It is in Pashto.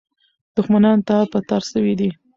دښمنان تار په تار سوي دي.